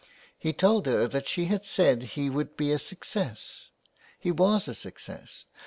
He told her that she had said he would be a success He was a success